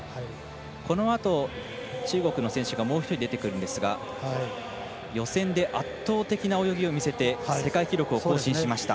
このあと、中国の選手がもう１人出てくるんですが予選で圧倒的な泳ぎを見せて世界記録を更新しました。